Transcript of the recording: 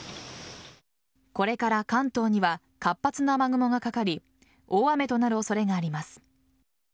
これから関東には活発な雨雲がかかり大雨となる恐れがあります。